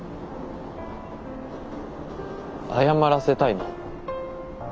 謝らせたいの？